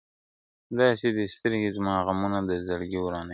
داسي دي سترگي زما غمونه د زړگي ورانوي.